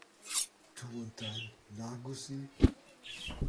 Du und dein: 'Na, Gussie'!